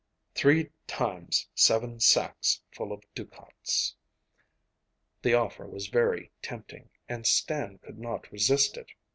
Three times seven sacks full of ducats! The offer was very tempting, and Stan could not resist it.